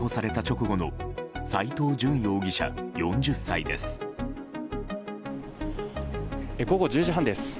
午後１０時半です。